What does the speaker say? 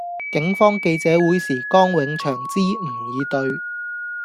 警方記者會時江永祥支吾以對